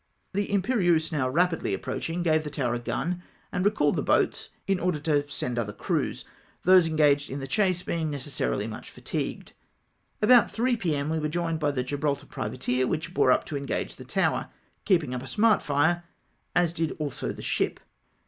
The Imperieuse now rapidly approaching, gave the tower a gun and recalled the. boats, in order to send other crews, those engaged in the chase being neces sarily much fatigued. About 3 p.m. we were joined by the Gibraltar privateer, which bore up to engage the tower, keeping up a smart fire, as did also the ship.